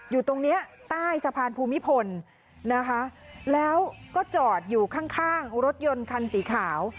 อยู่ตรงเนี้ยใต้สะพานภูมิพลนะคะแล้วก็จอดอยู่ข้างข้างรถยนต์คันสีขาว